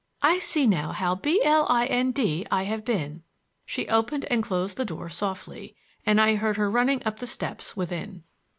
I see now how b l i n d I have been." She opened and closed the door softly, and I heard her running up the steps within.